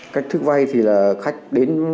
cách thức vay thì là khách đến